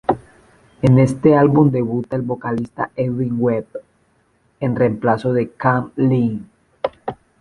En este álbum debuta el vocalista Edwin Webb en reemplazo de Kam Lee.